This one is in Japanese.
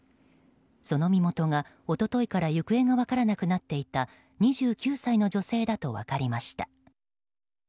その身元が一昨日から行方が分からなくなっていた２９歳の女性だと分かりました。